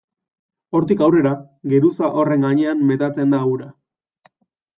Hortik aurrera, geruza horren gainean metatzen da ura.